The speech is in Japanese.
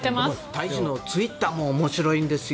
大使のツイッターも面白いんですよ。